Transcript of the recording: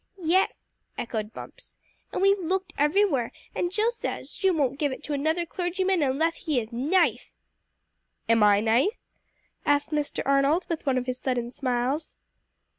"Yeth," echoed Bumps, "and we've looked everywhere, and Jill says, she won't give it to another clergyman unleth he is nith!" "Am I nice?" asked Mr. Arnold, with one of his sudden smiles.